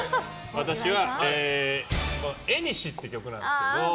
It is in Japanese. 私は「えにし」っていう曲なんですけど。